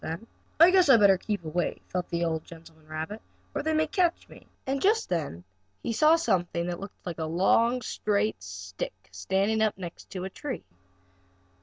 "I guess I'd better keep away," thought the old gentleman rabbit, "or they may catch me." And just then he saw something like a long, straight stick, standing up against a tree.